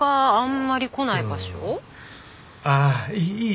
ああいい。